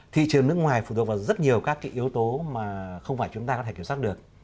thị trường nước ngoài phụ thuộc vào rất nhiều các yếu tố mà không phải chúng ta có thể kiểm soát được